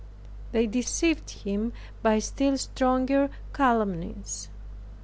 They deceived him by still stronger calumnies.